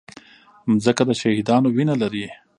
مځکه د شهیدانو وینه لري.